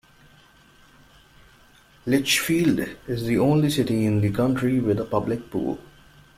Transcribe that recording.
Litchfield is the only City in the County with a public pool.